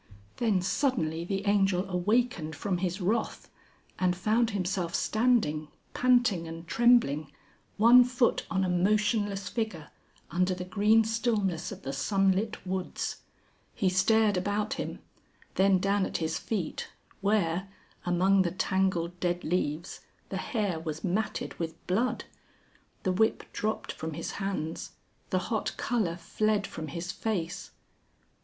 Then suddenly the Angel awakened from his wrath, and found himself standing, panting and trembling, one foot on a motionless figure, under the green stillness of the sunlit woods. He stared about him, then down at his feet where, among the tangled dead leaves, the hair was matted with blood. The whip dropped from his hands, the hot colour fled from his face.